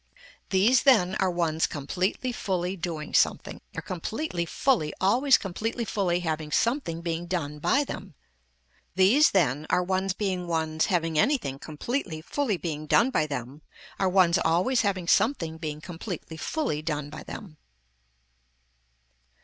These then are ones completely fully doing something, are completely fully always completely fully having something being done by them. These then are ones being ones having anything completely fully being done by them, are ones always having something being completely fully done by them.